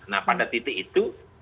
nah pada titik itu